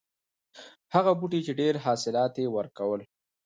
هغه بوټی چې ډېر حاصلات یې ورکول.